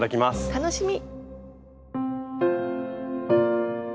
楽しみ！